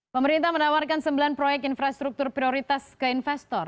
pemerintah menawarkan sembilan proyek infrastruktur prioritas ke investor